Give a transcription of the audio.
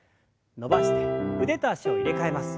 伸ばして腕と脚を入れ替えます。